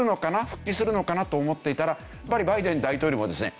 復帰するのかな？と思っていたらバイデン大統領もですね